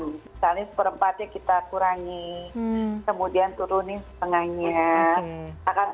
misalnya seperempatnya kita kurangi kemudian turunin setengahnya